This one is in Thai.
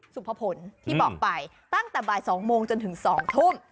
สุภพลที่บอกไปตั้งแต่บ่าย๒โมงจนถึง๒ทุ่ม